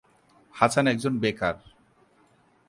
হাসান একজন বেকার।